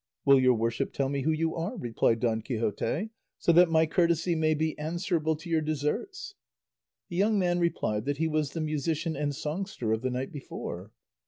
"Will your worship tell me who you are," replied Don Quixote, "so that my courtesy may be answerable to your deserts?" The young man replied that he was the musician and songster of the night before.